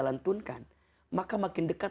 lantunkan maka makin dekat